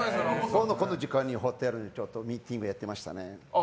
ちょうどこの時間にホテルでミーティングやってましたね。